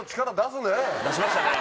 出しましたね！